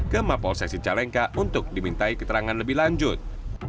ke mapol sesi cicalengka untuk dimintai keterangan lebih lanjut